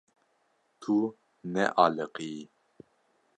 Tu nealiqiyî.